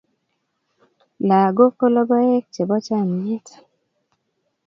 lagok ko logoek chebo chamiet